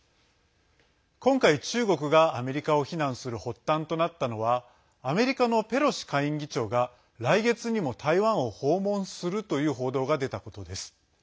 今回、中国がアメリカを非難する発端となったのはアメリカのペロシ下院議長が来月にも台湾を訪問するという報道が出たことです。